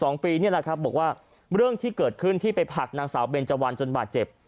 นี่แหละครับบอกว่าเรื่องที่เกิดขึ้นที่ไปผลักนางสาวเบนเจวันจนบาดเจ็บ